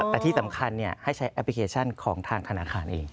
แต่ที่สำคัญให้ใช้แอปพลิเคชันของทางธนาคารเอง